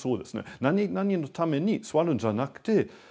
何々のために座るんじゃなくてただ今ここ。